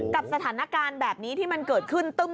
กับสถานการณ์แบบนี้ที่มันเกิดขึ้นตึ้ม